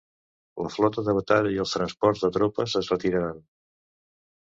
La flota de batalla i els transports de tropes es retiraren.